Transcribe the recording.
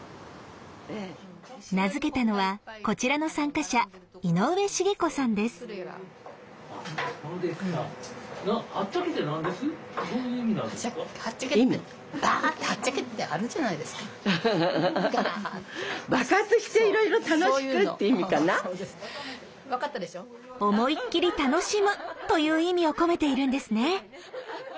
名付けたのはこちらの参加者「思いっきり楽しむ」という意味を込めているんですね。